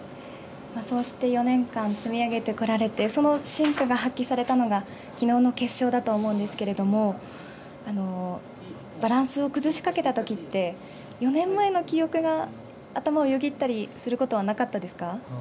そうして４年間積み上げてこられて、その真価が発揮されたのが、きのうの決勝だと思うんですけれども、バランスを崩しかけたときって、４年前の記憶が頭をよぎったりすることはなかったですか？